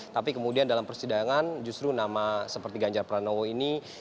tapi kemudian dalam persidangan justru nama seperti ganjar pranowo ini